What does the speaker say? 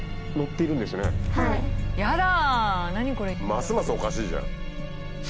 ますますおかしいじゃん。